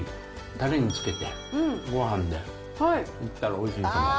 たれにつけて、ごはんでいったらおいしいと思う。